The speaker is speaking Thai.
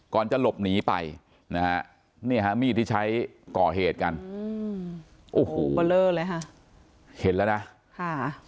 ก่อนจะหลบหนีไปนี่มีที่ใช้ก่อเหตุกันโอ้โหเบลอเลยฮะเห็นแล้วนะค่ะ